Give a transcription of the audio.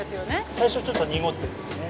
◆最初ちょっと濁ってるんですね。